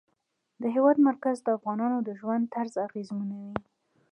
د هېواد مرکز د افغانانو د ژوند طرز اغېزمنوي.